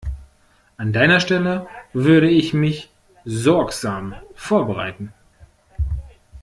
An deiner Stelle würde ich mich sorgsam vorbereiten.